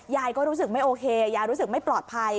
ยายก็รู้สึกไม่โอเคยายรู้สึกไม่ปลอดภัย